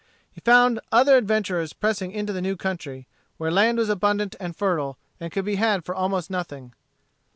He found other adventurers pressing into the new country, where land was abundant and fertile, and could be had almost for nothing.